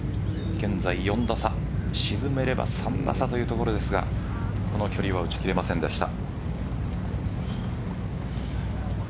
現在４打差、沈めれば３打差というところですがこの距離は打ちきれませんでした。